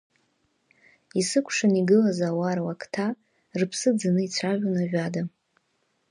Исыкәшан игылаз ауаа рлакҭа, рыԥсы ӡаны ицәажәон ажәада…